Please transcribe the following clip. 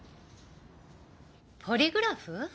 ポリグラフ？